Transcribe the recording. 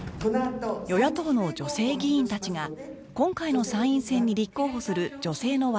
与野党の女性議員たちが今回の参院選に立候補する女性の割合を報告します